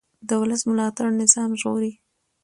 د ولس ملاتړ نظام ژغوري